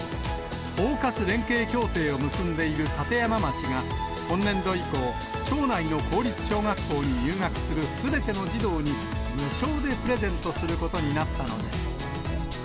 包括連携協定を結んでいる立山町が、今年度以降、町内の公立小学校に入学するすべての児童に無償でプレゼントすることになったのです。